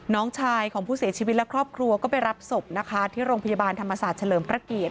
น้องชายของผู้เสียชีวิตและครอบครัวก็ไปรับศพนะคะที่โรงพยาบาลธรรมศาสตร์เฉลิมพระเกียรติ